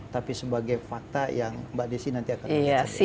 tapi sebagai fakta yang mbak desi nanti akan ada